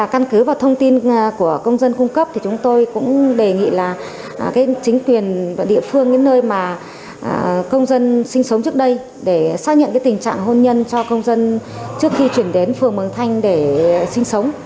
căn cứ và thông tin của công dân cung cấp thì chúng tôi cũng đề nghị là chính quyền địa phương những nơi mà công dân sinh sống trước đây để xác nhận tình trạng hôn nhân cho công dân trước khi chuyển đến phường mường thanh để sinh sống